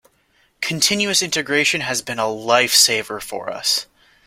Continuous Integration has been a lifesaver for us.